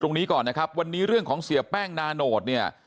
ตรงนี้ก่อนนะครับวันนี้เรื่องของเสียแป้งนาโนตเนี่ย